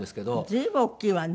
随分大きいわね。